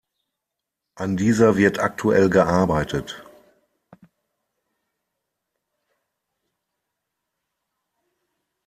An dieser wird aktuell gearbeitet.